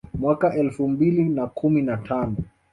Mwaka elfu mbili na kumi na tano